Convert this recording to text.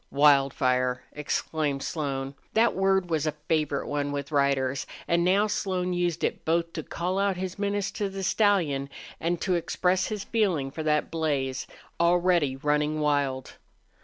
"Wildfire!" exclaimed Slone. That word was a favorite one with riders, and now Slone used it both to call out his menace to the stallion and to express his feeling for that blaze, already running wild.